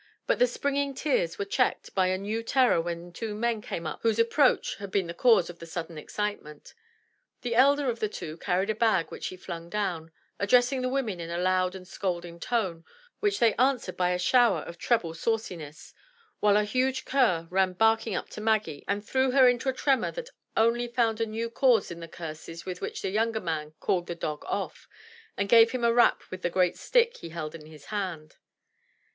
But the springing tears were checked by a new terror when two men came up whose ap proach had been the cause of the sudden excitement. The elder of the two carried a bag which he flung down, addressing the women in a loud and scolding tone, which they answered by a shower of treble sauci ness; while a huge cur ran barking up to Maggie, and threw her into a tremor that only found a new cause in the curses with which the younger man called the dog off, and gave him a rap with a great stick he held in his hand.